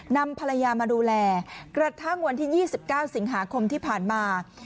นำภรรยามาดูแลกระทั่งวันที่๒๙สิงหาคมที่ผ่านมา